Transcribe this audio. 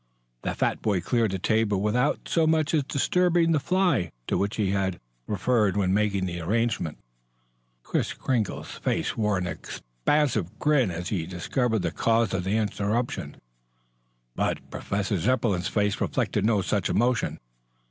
The fat boy cleared the table without so much as disturbing the fly to which he had referred when making the arrangement. Kris Kringle's face wore an expansive grin as he discovered the cause of the interruption. But, Professor Zepplin's face reflected no such emotion.